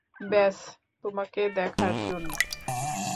ব্যস তোমাকে দেখার জন্য।